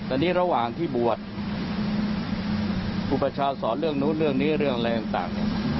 อันนี้ระหว่างที่บวชผู้ประชาสอนเรื่องนู้นเรื่องนี้เรื่องอะไรต่าง